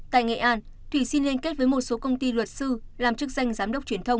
tại nghệ an thủy xin liên kết với một số công ty luật sư làm chức danh giám đốc truyền thông